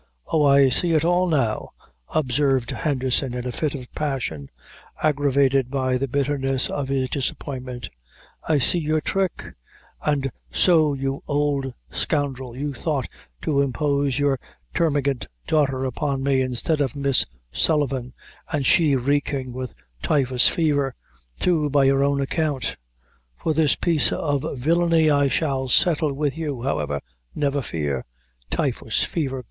"Oh, I see it all now," observed Henderson, in a fit of passion, aggravated by the bitterness of his disappointment "I see your trick; an' so, you old scoundrel, you thought to impose your termagant daughter upon me instead of Miss Sullivan, and she reeking with typhus fever, too, by your own account. For this piece of villany I shall settle with you, however, never fear. Typhus fever!